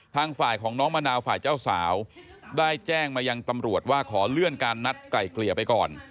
ทางฝ่ายของน้องมะนาวฝ่ายเจ้าสาวได้แจ้งมายังตำรวจว่าขอเลื่อนการนัดไกล่เกลี่ยไปก่อน